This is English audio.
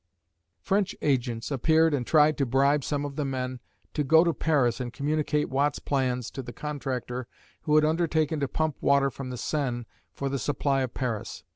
French agents appeared and tried to bribe some of the men to go to Paris and communicate Watt's plans to the contractor who had undertaken to pump water from the Seine for the supply of Paris.